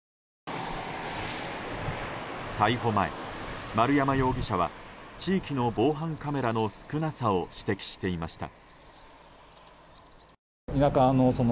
逮捕前、丸山容疑者は地域の防犯カメラの少なさを指摘していました。